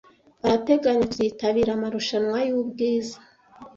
Arateganya kuzitabira amarushanwa y'ubwiza.